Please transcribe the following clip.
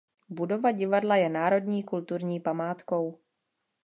Budova divadla je národní kulturní památkou.